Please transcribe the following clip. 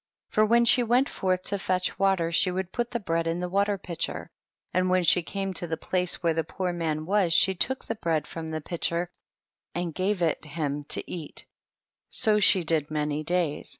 For when she went forth to fetch water she would put the bread in the water pitcher, and when she came to the place where the poor man was, she took the bread from the pitcher and gave it him to cat ; so she did many days.